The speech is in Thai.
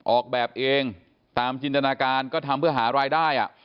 ออกแบบเองตามจินตนาการก็ทำเพื่อหารายได้